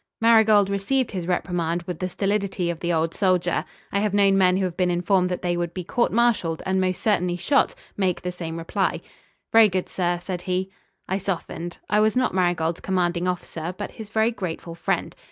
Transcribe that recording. Marigold received his reprimand with the stolidity of the old soldier. I have known men who have been informed that they would be court martialled and most certainly shot, make the same reply. "Very good, sir," said he. I softened. I was not Marigold's commanding officer, but his very grateful friend.